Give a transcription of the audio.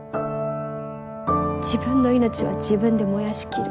自分の命は自分で燃やしきる。